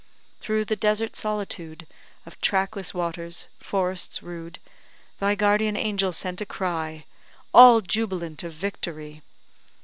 Through the desert solitude Of trackless waters, forests rude, Thy guardian angel sent a cry All jubilant of victory!